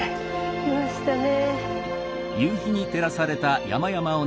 来ましたね。